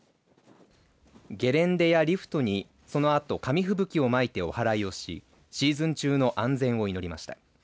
ゲレンデやリフトにそのあと紙ふぶきをまいておはらいをしシーズン中の安全を祈りました。